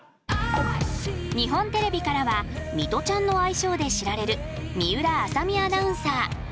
日本テレビからは「ミトちゃん」の愛称で知られる水卜麻美アナウンサー。